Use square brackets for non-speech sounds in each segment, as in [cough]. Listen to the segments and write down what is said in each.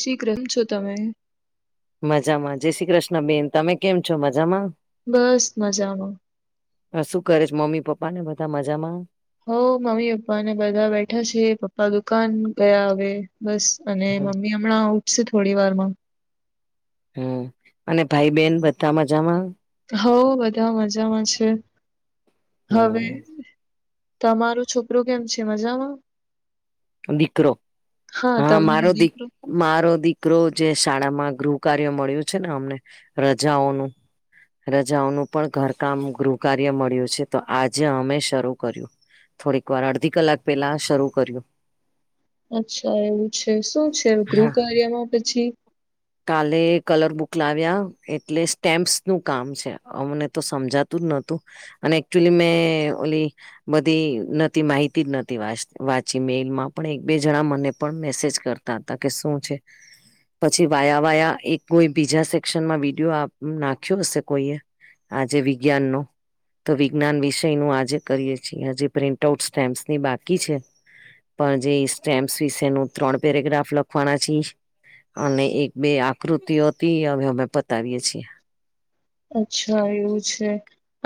શી કેમ છો તમે. મજામાં જય શ્રી કૃષ્ણ બેેન તમે કેમ છો મજામાં. બસ મજામાં. હ શું કરે છે મમ્મી પપ્પા ને બધા મજામાં. હો મમ્મી પપ્પાને બધા બેઠા છે પપ્પા દુકાન ગયા હવે. બસ અને મમ્મી હમણાં ઉઠશે થોડી વારમાં. હમ અને ભાઈ બેન બધા મજામાં. હોવ બધા મજામાં છે હવે. હમ તમારું છોકરું કેમ છે મજામાં. દીકરો હા તમારો મારો દીક. દીકરો મારો દીકરો જે શાળામાં ગૃહ કાર્ય મળ્યું છે ને અમને રજાઓનું રજાઓનું પણ ઘરકામ ગૃહ કાર્ય મળ્યું છે તો આજે અમે શરૂ કર્યું. થોડીક વાર અડધી કલાક પેલા શરૂ કર્યું. અચ્છા એવું છે. શું છે? હા ગૃહ કાર્યમાં પછી. કાલે કલર બુક લાવ્યા એટલે સ્ટેમ્પ્સ નું કામ છે અમને તો સમજાતું જ નોતું. અને એકચુલી મે ઓલી. બધી નથી માહિતી જ નથી વા વાંચી મેલ માં પણ એક બે જણા મને પણ મેસેજ કરતા તા ત કે શું છે પછી. વાયા વાયા એક કોઈ બીજા સેક્શનમાં વિડીયો આપ નાખ્યો હશે કોઈએ. આજે વિજ્ઞાન નો. તો વિજ્ઞાન વિષયનું આજે કરીએ છીએ હજી પ્રિન્ટ આઉટ સ્ટેમ્પ્સની બાકી છે. પણ જે સ્ટેમ્પ્સ વિશે ન ત્રણ પેરેગ્રાફ લખવાના છી અને એક બે આકૃતિઓ હતી અવે અમે પતાવીએ છીએ અચ્છા એવું છે.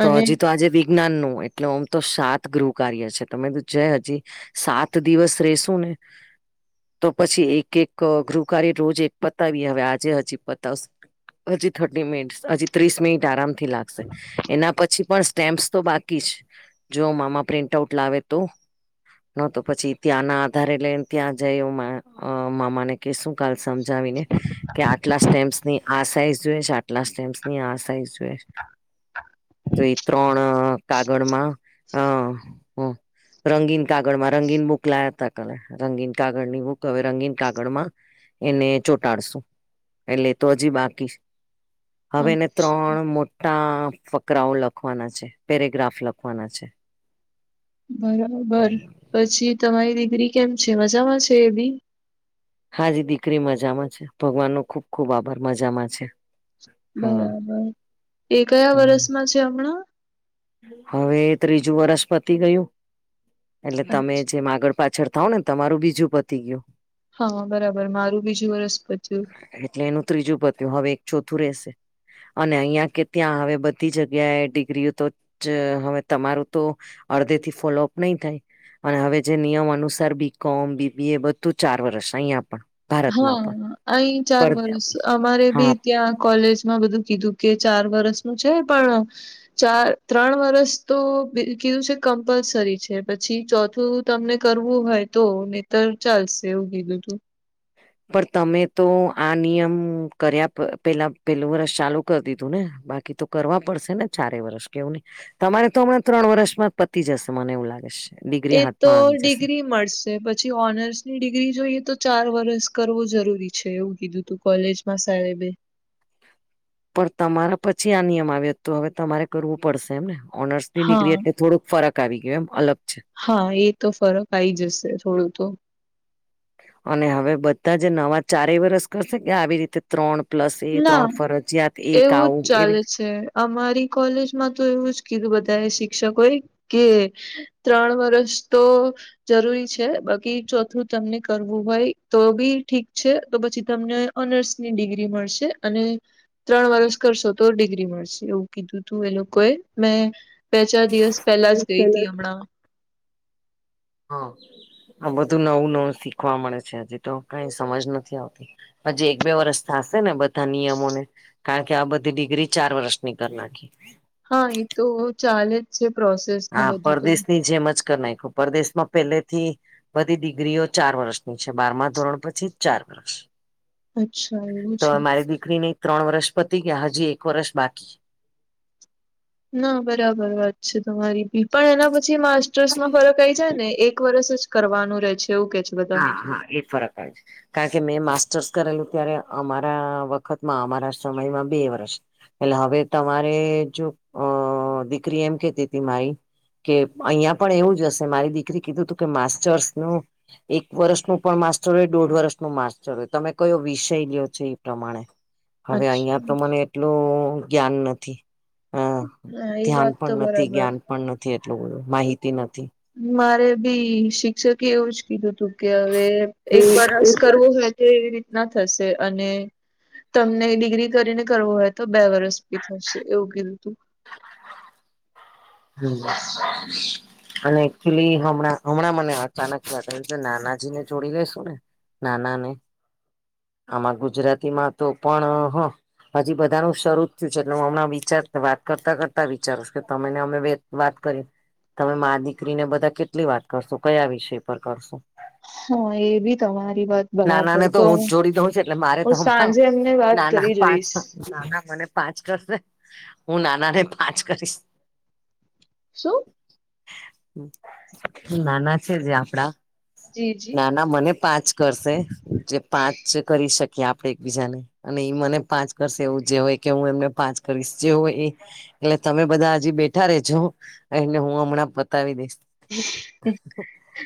તો અને હજી તો આજે વિજ્ઞાન નું એટલે ઓમ તો સાત ગૃહ કાર્ય છે તમે બી છે હજી સાત દિવસ રેસુ ને તો પછી એક એક ગૃહકારે રોજ એક પતાવી હવે આજે હજી પતાવશુ હજી થર્ટી મિનિટસ હજી ત્રીસ મિનિટ આરામ થી લાગશે. એના પછી પણ સ્ટેમ્પ્સ તો બાકી જ જો મામા પ્રિન્ટ આઉટ લાવે તો. ન તો પછી ત્યાં ના આધારે લઈને ત્યાં જાય એ મામાને. કે શું કાલ સમજાવી ને. કે આટલા સ્ટેમ્પ્સની આ સાઈઝ જોઈએ છે આટલા સ્ટેમ્સ ની આ સાઈઝ જોઈએ છે. તો એ ત્રણ કાગળમાં અ હ. રંગીન કાગળમાં રંગીન બુક લાયા તા કાલે રંગીન કાગળની બુક હવે રંગીન કાગળમાં એને ચોંટાડશુ એલે તો હજી બાકી હવે એને અચ્છ- ત્રણ મોટા ફક ક્રાઉ લખવાના છે, પેરેગ્રાફ લખવાના છે. બરાબર પછી તમારી દિકરી કેમ છે મજામાં છે એ બી હા જી દીકરી મજામાં છે ભગવાન નો ખુબ ખુબ આભાર મજામાં છે હા બરાબર એ કયા વર્ષમાં છે હમણાં હવે ત્રીજું વરષ પતી ગયું એટલે તમે જેમ આગળ પાછળ થાવ ને તમારું બીજું પતી ગયું. હ બરાબર મારું બીજું વરસ પત્યું એટલે એનું ત્રીજું પત્યું હવે એક ચોથું રહેશે અને અહિયાં કે ત્યાં હવે બધી જગ્યાએ ડિગ્રીઓ તો જ હવે તમારું તો અડધેથી ફોલોઅપ નહી થાય. અને હવે જે નિયમ અનુસાર બી કોમ બીબી એ બધું ચાર વર્ષ અહિયાં પણ ભારતમાં પણ હા અહી ચાર પણ વર્ષ અમારે હા બી ત્યાં કોલેજમાં બધું કીધું કે ચાર વરસનું છે પણ ચાર ત્રણ વરસ તો કીધું છે કમ્પલસરી છે પછી ચોથું તમને કરવું હોય તો નહીતર ચાલશે એવું કીધું તું પણ તમે તો આ નિયમ કર્યા પ પેલા પેલું વરષ ચાલુ કર દીધું ને બાકી તો કરવા પડશે ને ચારેય વર્ષ કેવું ન તમારે તો હમણાં ત્રણ વર્ષમાં પતી જશે મને એવું લાગે છે. ડિગ્રી એ તો હાથમાં આવી જશે. ડિગ્રી મળશે પછી ઓનર્સ ની ડિગ્રી જોઈએ તો ચાર વર્ષ કરવું જરૂરી છે એવું કીધું તું કોલેજ બસ હવે બે પણ તમારા પછી આ નિયમ આવ્યો તો હવે તમારે કરવું પડશે એમને ઓનર્સ થી હા નીકળી એટલે થોડુંક ફરક આવી ગયું એમ અલગ છે. હા એ તો ફરક આઈ જશે થોડું તો અને હવે બધા જ નવા ચારેય વરસ કરશે કે આવી રીતે ત્રણ પ્લસ એ ના ત્રણ ફરજયાત એક એવું આવું જ એવી ચાલે છે અમારી કોલેજમાં તો એવું જ કીધું બધા એ શિક્ષકોએ કે ત્રણ વરષ તો જરૂરી છે બાકી ચોથું તમને કરવું હોય તો બી ઠીક છે તો પછી તમને ઓનર્સની ડિગ્રી મળશે અને ત્રણ વરસ કરશો તો ડિગ્રી મળશે એવું કીધું તું એ લોકોએ મેં બે ચાર દિવસ પેલા જ ગઈ હતી હમણાં હા આ બધું નવું નવું શીખવા મળે છે હજી તો કાઈ સમજ નથી આવતી હજી એક બે વરષ થાશે ને બધા નિયમોને કારણ કે આ બધી ડિગ્રી ચાર વર્ષની કર નાખી હા એ તો ચાલે જ છે પ્રોસે હા પરદેશ ની જેમ જ કરનાય ખૂ પરદેશમાં પહેલેથી બધી ડિગ્રીઓ ચાર વર્ષની છે બારમા ધોરણ પછી ચાર વર્ષ અચ્છા એવું તો છે મારી દીકરી ને ત્રણ વર્ષ પતી ગયાં હજી એક વર્ષ બાકી ના બરાબર વાત છે તમારી બી પણ એના પછી માસ્ટર્સમાં ફરક આય જાય ને એક વરષ જ કરવાનું રહેે છે એવું કે છ હા હા એ ફરક [unintelligible] છે. કારણ કે મેં માસ્ટર્સ કરેલું ત્યારે અમારા વખતમાં અમારા સમયમાં બે વર્ષ એટલે હવે તમારે જો અ દીકરી એમ કેતી હતી મારી કે અહીયાં પણ એવું જ હશે મારી દીકરી કીધું તું કે માસ્ટર્સનું એક વર્ષનું પણ માસ્ટર હોય, દોઢ વર્ષનું માસ્ટર હોય તમે કયો વિષય લ્યો છો ઈ પ્રમાણે. હવે અચ્છા, અહિયાં તો મને એટલું જ્ઞાન નથી. હ, હા એ ધ્યાન વાત તો પણ નથી, બરાબર જ્ઞાન પણ નથી એટલું બધું માહિતી નથી. મારે બી શિક્ષકે એવું જ કીધું તું કે અવે હમ એક વરષ કરવું હોય એ એવી રીતના થશે અને તમને ડિગ્રી કરીને કરવું હોય તો બે વરસ ભી થશે એવું કીધું. તું હમ્મ. અને એકચુલી હમણાં હમણાં મને અચાનક યાદ આયુ નાનાજીને જોડી લેશું ને. નાનાને. આમાં ગુજરાતીમાં તો પણ હ. હજી બધાનું શરૂ જ થયું છે એટલે હું હમણાં વિચાર વાત કરતાં કરતાં વિચારુંશ કે તમેને અમે વે વાત કરી તમે મા દીકરીને બધા કેટલી વાત કરશો, કયા વિષય પર કરશો? હા એ બી તમારી વાત નાનાને તો હું જ જોડી દઉં છ એટલે મારે હું તો હમણાં સાંજે એમને વાત નાના કરી પાંચ જોઈશ નાના મને પાંચ કરશે હું નાનાને પાંચ કરીશ. શું? નાના છે જે આપડા જી જી. ના ના મને પાંચ કરશે જે પાંચ કરી શકીએ આપણે એકબીજાને. અને ઈ મને પાંચ કરશે એવું જે હોય કે હું એમને પાંચ કરીશ જે હોય એ એટલે તમે બધા હજી બેઠા રેજો એને હું હમણાં પતાવી દઈશ. હમ્મ.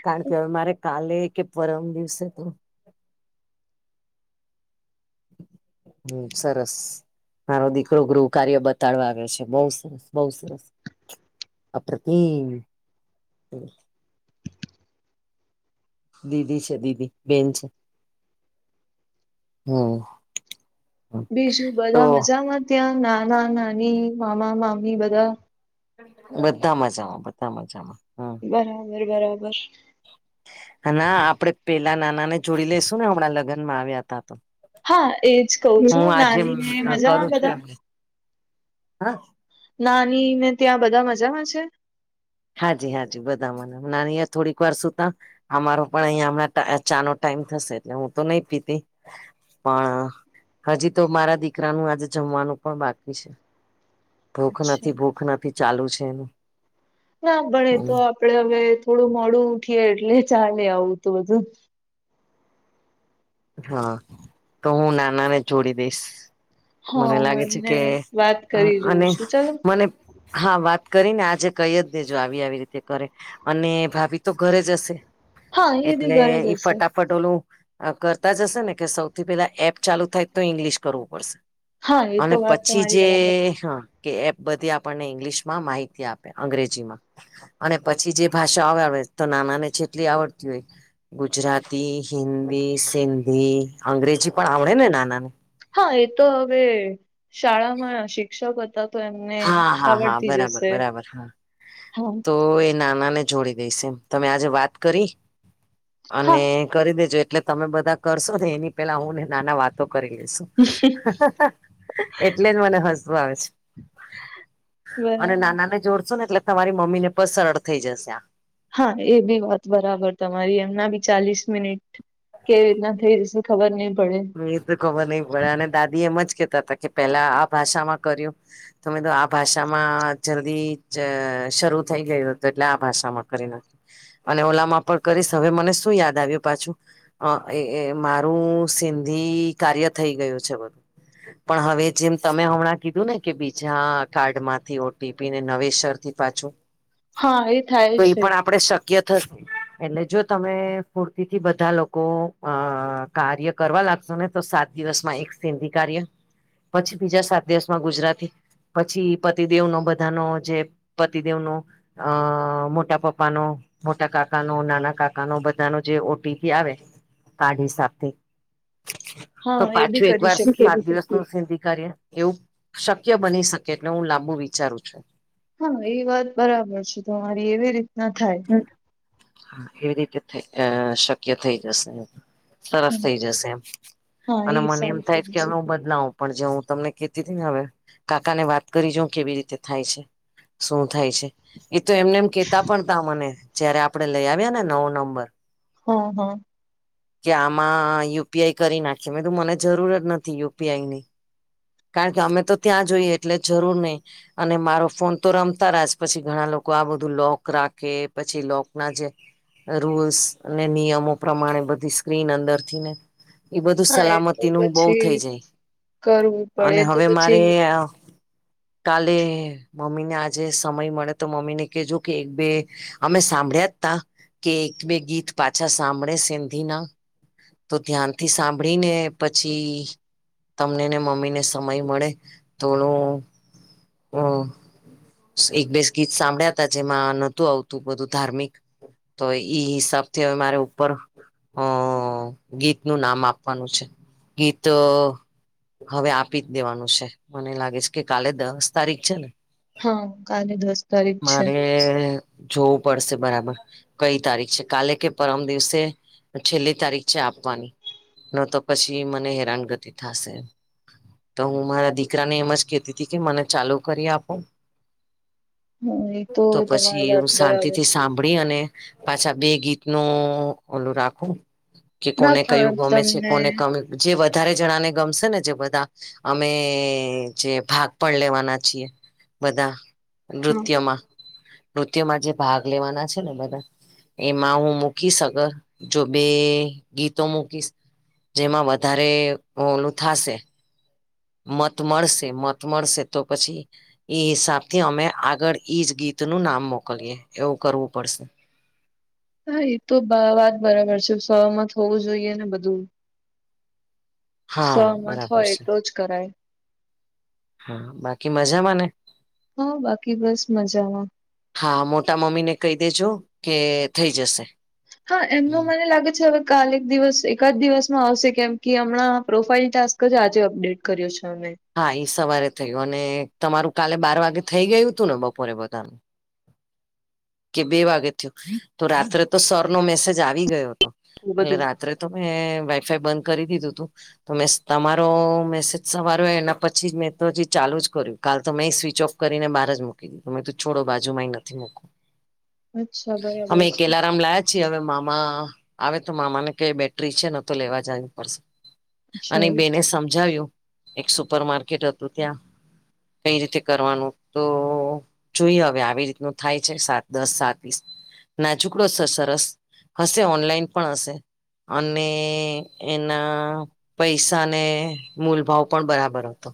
કારણ કે હવે મારે કાલે કે પરમ દિવસે તો [inaudible] હમ્મ, સરસ. મારો દીકરો ગૃહકાર્ય બતાડવા આવયો છે બહુ સરસ બહુ સરસ. અપ્રતિમ. દીદી છે દીદી બેન છે. હ. બીજું બધા મજામાં ત્યાં? નાના નાની, મામા મામી બધાં? બધા મજામાં બધા મજામાં હમ્મ. બરાબર બરાબર. હ આપડે પેલા નાનાને જોડી લઈશું ને હમણાં લગનમાં આવ્યા હતાં તો. હા એજ કહ હું છું આજે નાની ને મજામાં કરું છું બધા એમને હ. નાનીને ત્યાં બધા મજામાં છે? હાજી હાજી બધા મજામાં, નાનીયે થોડીક વાર સુુતા. અમારો પણ અહીંયા હમણાં ટા ચાનો ટાઈમ થશે એટલે હું તો નઈ પીતી. પણ હજી તો મારા દીકરાનું આજે જમવાનું પણ બાકી છે. ભૂખ અચ્છા નથી ભૂખ નથી ચાલુ છે એનું. ના પણ એ તો આપણે હવે થોડું મોડું ઉઠીએ એટલે ચાલે આવું તો બધું. હા તો હું નાનાને જોડી દઈશ. હા મને હું લાગે છે એમને કે વાત અ કરી જોઉં અને છું ચાલો મને હા વાત કરીને આજે કઈ જ દેજો આવી આવી રીતે કરે. અને ભાભી તો ઘરે જ હશે હા એ બી એટલે ઘરે જ ઈ હશે ફટાફ ફટોલું કરતા જ હશે ને કે સૌથી પેલા એપ ચાલુ થાય તો ઈંગ્લિશ કરવું પડશે. હા એ તો અને વાત પછી તમારી જે બરાબર હા. કે એપ બધી આપણને ઇંગ્લિશમાં માહિતી આપે અંગ્રેજીમાં. અને પછી જે ભાષા ઓ આવડે તો નાનાને છેટલી આવડતી હોય. ગુજરાતી, હિન્દી, સિંધી, અંગ્રેજી પણ આવડેને નાનાને. હા એ તો હવે શાળામાં શિક્ષક હતાં. હા હા હા બરાબર બરાબર હા હા તો ના મને જોડી દઈશે એમ તમે આજે વાત કરી અને હા કરી દેજો એટલે તમે બધા કરશો ને એની પેલા હું ને નાના વાતો કરી લઈસુ. એટલે જ મને હસ્તુ આવે છે. અને બરાબર નાના ને જોડશો ને એટલે તમારી મમ્મી ને પણ સરળ થઈ જશે આ. હા એ બી વાત બરાબર તમારી એમના બી ચાલીસ મિનિટ કેવી રીતના થઈ જશે ખબર નઈ પડે. એ તો ખબર નહ પડે અને દાદી એમ જ કેતા હતા કે પેલા આ ભાષામાં કર્યું. તમે તો આ ભાષામાં જલ્દી શરૂ થઈ ગયું હતું એટલે આ ભાષામાં કરી નાખ્યો. અને ઓલામાં પણ કરીશ હવે મને શું યાદ આવ્યું પાછું એ મારું સિંધી કાર્ય થઈ ગયું છે બધું. પણ હવે જેમ તમે હમણાં કીધું ને કે બીજા કાર્ડ માંથી ઓ ટી પી ને નવેસરથી પાછું [unintelligible] એ થાય તો એ છે પણ આપડે શક ક્ય થશે એટલે જો તમે ફૂરતીથી બધા લોકો અ કાર્ય કરવા લાગશો ને તો સાત દિવસમાં એક સિંધી કાર્ય પછી બીજા સાત દિવસમાં ગુજરાતી પછી પતિદેવનો બધાનો જે પતિદેવનો અ મોટા પપ્પાનો મોટા કાકાનો નાના કાકાનો બધાનો જે ઓ ટી પી આવે કાર્ડ હિસાબથી તો હા એ બી પાછું એક કરી વાર શકીએ સાત દિવસ સિધી કરીએ. એવું શક્ય બની શકે એટલે હું લાંબુ વિચારું છું. હા એ વાત બરાબર છે તમારી એવી રીતના થાય. એવી રીતે થઈ શક્ય થઈ જશે. સરસ હા થઇ જશે હા, એમ એ મને એમ સારું થઈ થાય કે જશે હું બદલાવ પણ જો હું તમને કેતી હતી ને હવે કાકા ને વાત કરી જોવ કેવી રીતે થાય છે. શું થાય છે એ તો એમને એમ કેતા પણ તા મને જયારે આપડે લઈ આવ્યા ને નવો નંબર હ હ. કે આમાં યુ પી આઈ કરી નાખીએ મે તું મને જરૂર જ નથી યુ પી આઈ ની કારણ કે અમે તો ત્યાં જોઈએ એટલે જરૂર નહી. અને મારો ફોન તો રમતા રાસ પછી ઘણા લોકો આ બધું લોક રાખ ખે પછી લોક ના જે રૂલ્સ અને નિયમો પ્રમાણે બધી સ્ક્રીન અંદરથી ને એ બધું હા એ તો સલામતી નું બઉ થઇ પછી જાય. કરવું પડે અને એ તો હવે મારે પછી કાલે મમ્મી ને આજે સમય મળે તો મમ્મી ને કજો કે એક બે અમે સાંભળ્યા જ તા કે એક બે ગીત પાછા સાંભળે સેંધી ના તો ધ્યાનથી સાંભળીને પછી તમને ને મમ્મીને સમય મળે થોડું હ એક બેસ ગીત સાંભળ્યા તા જેમાં નતું આવતું. તું બધું ધાર્મિક તો ઈ હિસાબથી હવે મારે ઉપર હ ગીત નું નામ આપવાનું છે ગીત હવે આપી જ દેવાનું છે મને લાગે છે કે કાલે દસ તારીખ છે ને હા કાલે દસ તારીખ છે. [inaudible] જોવું પડશે બરાબર કઈ તારીખ છે કાલે કે પરમ દિવસે છેલ્લી તારીખ છે આપવાની. ન તો પછી મને હેરાનગતિ થશે. તો હું મારા દીકરાને એમ જ કતી હતી કે મને ચાલુ કરી આપો. હમ એ તો તે એવું શાંતિથી સાંભળી અને પાછા બે ગીત નું ઓલું રાખું. કે ના કોને કયું પણ ગમે છે તમને કોને ગમે જે વધારે જણાને ગમશે ને જે બધા અમે જે ભાગ પણ લેવાના છીએ. બધા હા નૃત્યમાં નૃત્યમાં જે ભાગ લેવાના છે ને બધા એમા હું મૂકી સકર જો બે ગીતો મૂકી જેમાં વધારે ઓલું થશે. મત મળશે મત મળશે તો પછી એ હિસાબથી અમે આગળ એઈજ ગીતનું નામ મોકલીએ એવું કરવું પડશે. હા એ તો વાત બરાબર છે સહમત હોવું જોઈએ ને બધું. હા સહમત બરાબર હોય છે. તો જ કરાય હ બાકી મજામાંને હા બાકી બસ મજામાં હા મોટા મમ્મી ને કહી દેજો કે થઈ જશે હા એમનું મને લાગે છે કાલે એક દિવસ એક જ દિવસમાં આવશે કેમ કે હમણાં પ્રોફાાઈલ ટાસ્ક જ આજે અપડેટ કર્યો છે અમે હા એ સવારે થયું અને તમારું કાલે બાર વાગે થઈ ગયું હતું ને બપોરે બધાનું કે બે વાગે થયોું તો રાત્રે તો સર નો મેસેજ આવી ગયો હતો એ એટલે બધું અત્રે તો મેં વાઈફાઈ બંધ કરી દીધું તું તો મે તમારો મેસેજ સવાર્યો એના પછી મેં તો જે ચાલુ જ કર્યું કાલ તો મેં સ્વિચ ઓફ કરીને બહાર જ મૂકી દીધું મે ત છોડો બાજુમાં નથી મક અચ્છા બરાબર અમે છે કેલારામ લયા પછી હવે મામા આવે તો મામાને કઈ બેટરી છે ન તો લેવા જવીું પડશે અચ્છા અને એ બેને સમજાવ્યું એક સુપર માર્કેટ હતું ત્યાં કઈ રીતે કરવાનું તો જોઈએ હવે આવી રીતનું થાય સાત દસ સાતસ ના છુકડો છે સરસ હશે ઓનલાઈન પણ હશે અને એના પૈસા ને મૂલભાવ પણ બરાબર હતો